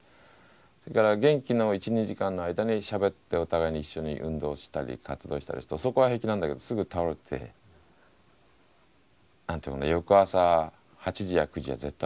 それから元気の１２時間の間にしゃべってお互いに一緒に運動したり活動したりするとそこは平気なんだけどすぐ倒れて翌朝８時や９時に絶対起きれない。